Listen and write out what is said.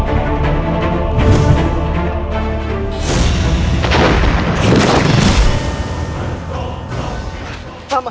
enggak takut kami